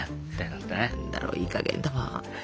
何だろいいかげんだわ。